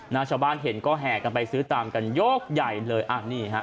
ชาวบ้านเห็นก็แห่กันไปซื้อตามกันยกใหญ่เลยอ่ะนี่ฮะ